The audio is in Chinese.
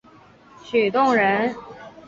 许洞人。